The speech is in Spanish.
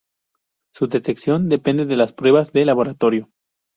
Su detección depende de las pruebas de laboratorio.